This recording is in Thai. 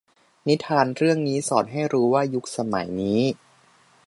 นิทานเรื่องนี้สอนให้รู้ว่ายุคสมัยนี้